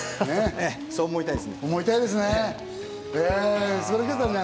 そう思いたいですね。